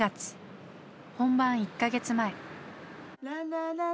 本番１か月前。